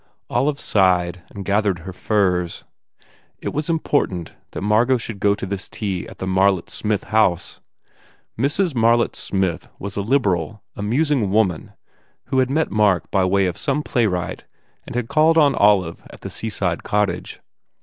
Olive sighed and gathered her furs. It was important that Margot should go to this tea at the Marlett Smith house. Mrs. Marlett Smith was a liberal, amusing woman who had met Mark by way of some playwright and had called on Olive at the seaside cottage.